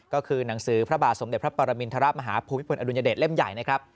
ก็คือหนังสือพระบาทสมเด็จพระปรมินทรมาฮภูมิพลอดุลยเดชเล่มใหญ่นะครับ